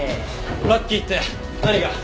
ラッキーって何が？